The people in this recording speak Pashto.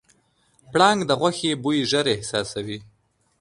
پړانګ د غوښې بوی ژر احساسوي.